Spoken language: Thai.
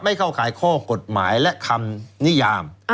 เข้าข่ายข้อกฎหมายและคำนิยาม